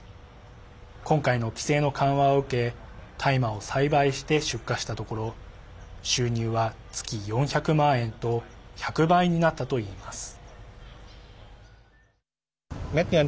今回の規制の緩和を受け大麻を栽培して出荷したところ収入は月４００万円と１００倍になったといいます。